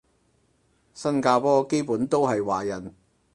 新加坡基本都係華人